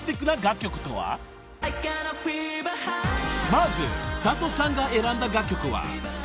［まず佐藤さんが選んだ楽曲は］